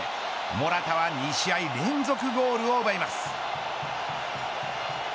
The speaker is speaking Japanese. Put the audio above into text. モラタは２試合連続ゴールを奪います。